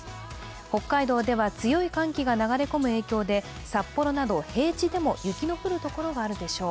北海道では強い寒気が流れ込む影響で札幌など平地でも雪の降る所があるでしょう。